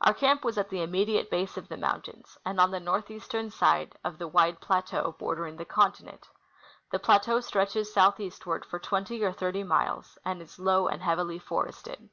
Our camp was at the immediate base of the mountains, and on the north eastern side of the wide plateau l^ordering the continent. The plateau stretches southeastward for twenty or thirty miles, and is low and heavily forested.